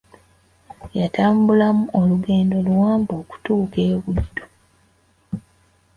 Yatambula olugendo luwanvu okutuuka e Buddu.